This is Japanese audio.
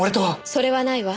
それはないわ。